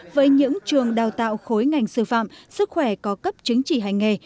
với những trường đào tạo khối ngành sư phạm sức khỏe có cấp chứng chỉ hành nghề